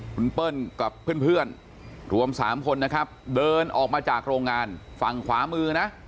คุณเปิ้ลกับเพื่อนรวม๓คนนะครับเดินออกมาจากโรงงานฝั่งขวามือนะ